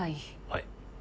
はい。